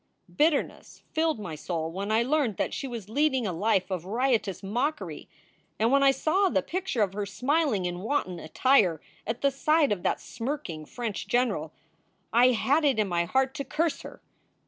Bitterness filled my soul when I learned that she was leading a life of riotous mockery, and when I saw the picture of her smiling in wanton attire at the side of that smirking French general, I had it in my heart to curse her.